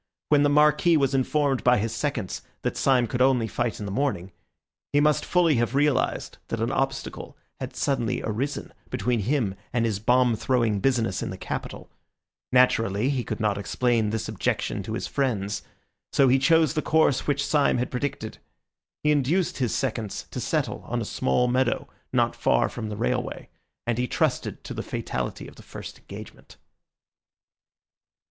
When the Marquis was informed by his seconds that Syme could only fight in the morning, he must fully have realised that an obstacle had suddenly arisen between him and his bomb throwing business in the capital. Naturally he could not explain this objection to his friends, so he chose the course which Syme had predicted. He induced his seconds to settle on a small meadow not far from the railway, and he trusted to the fatality of the first engagement.